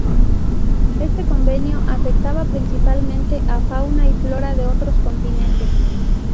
Este convenio afectaba principalmente a fauna y flora de otros continentes.